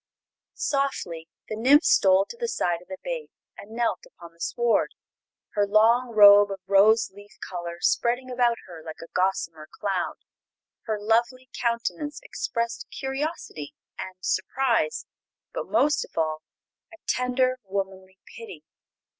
Softly the nymph stole to the side of the babe and knelt upon the sward, her long robe of rose leaf color spreading about her like a gossamer cloud. Her lovely countenance expressed curiosity and surprise, but, most of all, a tender, womanly pity.